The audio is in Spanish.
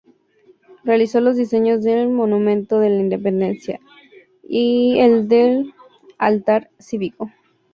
Realizó los diseños del "Monumento a la Independencia", y el del "Altar Cívico".